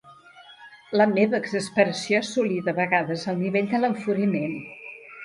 La meva exasperació assolí de vegades el nivell de l'enfuriment.